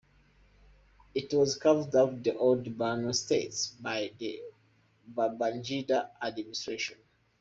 It was carved out of the old Borno State by the Babangida administration.